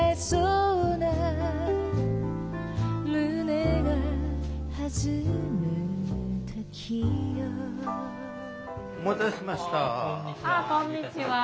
ああこんにちは。